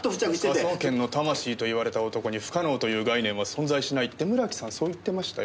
科捜研の魂と言われた男に不可能という概念は存在しないって村木さんそう言ってましたよ？